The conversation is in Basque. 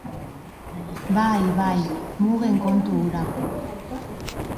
Bai.. bai... mugen kontu hura.